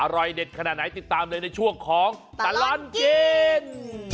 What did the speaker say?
อร่อยเด็ดขนาดไหนติดตามเลยในช่วงของตลอดกิน